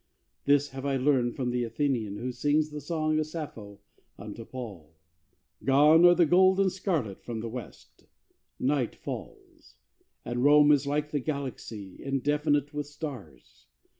This have I learned from the Athenian Who sings the song of Sappho unto Paul. Gone are the gold and scarlet from the west; Night falls; and Rome is like the Galaxy Indefinite with stars.